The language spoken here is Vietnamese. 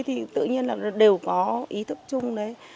thì tự nhiên là đều có ý thức chung đấy